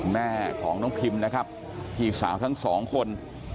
แม่ของน้องพิมนะครับพี่สาวทั้งสองคน